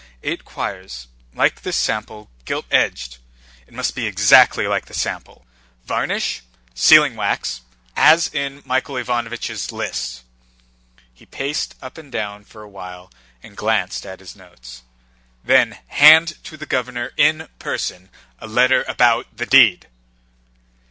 Eight quires, like this sample, gilt edged... it must be exactly like the sample. Varnish, sealing wax, as in Michael Ivánovich's list." He paced up and down for a while and glanced at his notes. "Then hand to the governor in person a letter about the deed."